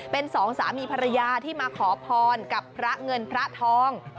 เป็นสองสามีภรรยาที่มาขอพรกับพระเงินพระทอง